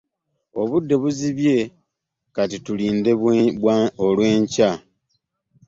Obudde buzibye, kati tulinde olw'enkya.